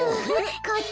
こっち？